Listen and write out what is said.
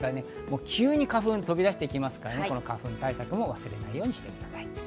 急に花粉が飛び出してきますから花粉対策も忘れないようにしてください。